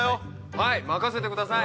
はい任せてください。